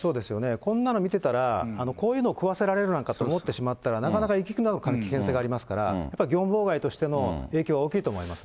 こんなの見てたら、こういうのを食わせられるのかと思ってしまったら、なかなか行かなくなる危険性がありますから、やっぱり業務妨害としての影響は大きいと思いますね。